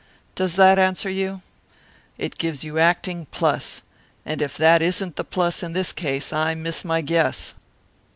Does that answer you? It gives you acting plus, and if that isn't the plus in this case I miss my guess."